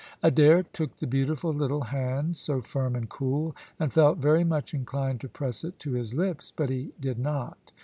Adair took the beautiful little hand, so firm and cool, and felt very much inclined to press it to his lips, but he did not.